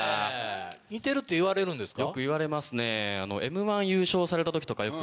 似てるって言われるんですか？